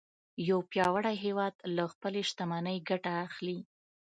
یو پیاوړی هیواد له خپلې شتمنۍ ګټه اخلي